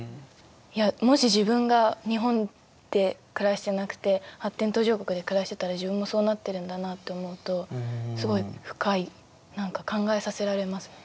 もし自分が日本で暮らしてなくて発展途上国で暮らしてたら自分もそうなってるんだなって思うとすごい深い何か考えさせられますね。